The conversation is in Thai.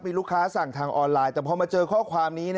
มีลูกค้าสั่งทางออนไลน์แต่พอมาเจอข้อความนี้